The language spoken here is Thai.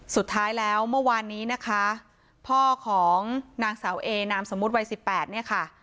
สุดท้ายแล้วเมื่อวานนี้นะคะพ่อของนางสาวเอนามสมมุติวัยสิบแปดเนี่ยค่ะ